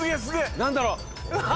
何だろう？